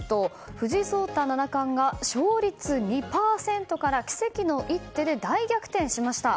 藤井聡太七冠が勝率２％から奇跡の一手で大逆転しました。